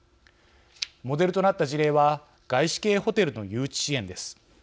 モデルとなった事例は外資系ホテルの誘致支援です。